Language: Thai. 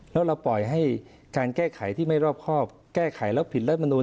แล้วเราปล่อยให้การแก้ไขที่ไม่รอบครอบแก้ไขแล้วผิดรัฐมนุน